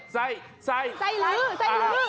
ใส่ใส่ไส้ลื้อใส่ลื้อ